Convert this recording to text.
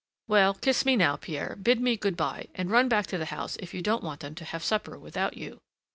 "Well, kiss me now, Pierre, bid me good by, and run back to the house if you don't want them to have supper without you."